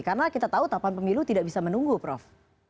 karena kita tahu tapan pemilu tidak bisa menunggu prof